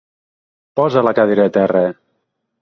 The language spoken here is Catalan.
Posa la cadira a terra!